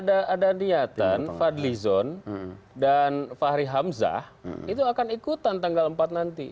tapi ada niatan fadlizon dan fahri hamzah itu akan ikutan tanggal empat nanti